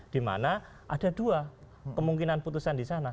di mana ada dua kemungkinan putusan di sana